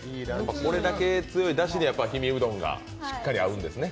これだけ強いだしに氷見うどんがしっかり合うんですね。